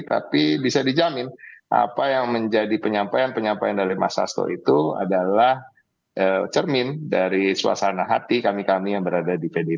tapi bisa dijamin apa yang menjadi penyampaian penyampaian dari mas sasto itu adalah cermin dari suasana hati kami kami yang berada di pdip